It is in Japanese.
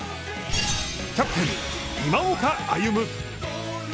キャプテン今岡歩夢。